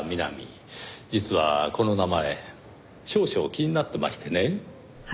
実はこの名前少々気になってましてね。